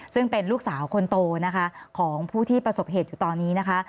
ซึ่งเป็นลูกสาวคนโตนะคะของผู้ที่ประสบเหตุอยู่ตอนนี้นะคะ